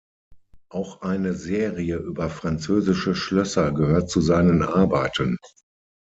Auch eine Serie über französische Schlösser gehört zu seinen Arbeiten.